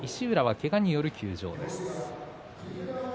石浦けがによる休場です。